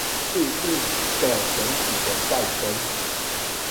是一個整體的代稱